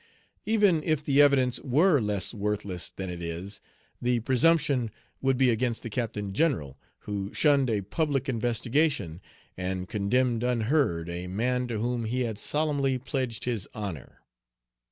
Even if the evidence were less worthless than it is, the presumption would be against the Captain General, who shunned a public investigation and condemned unheard a man to whom he had solemnly pledged his honor.